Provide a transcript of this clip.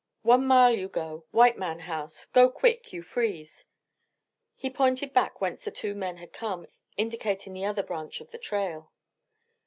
"One mile you go white man house. Go quick you freeze." He pointed back whence the two men had come, indicating the other branch of the trail.